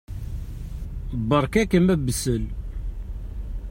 Beṛka-kem abessel.